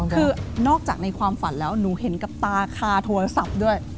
คือนอกจากในความฝันแล้วหนูเห็นกับตาคาโทรศัพท์ด้วย